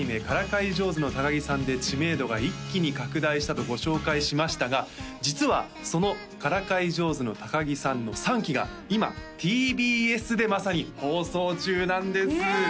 「からかい上手の高木さん」で知名度が一気に拡大したとご紹介しましたが実はその「からかい上手の高木さん」の３期が今ＴＢＳでまさに放送中なんです